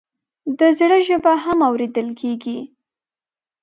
د زړه ژبه هم اورېدل کېږي.